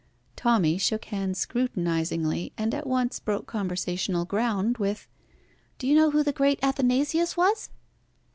Tommy shook hands scrutinisingly, and at once broke conversational ground with "Do you know who the great Athanasius was?"